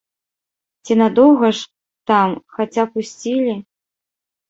Ці надоўга ж, там, хаця пусцілі?